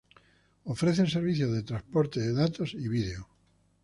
Ofrece servicio de transporte de datos y video.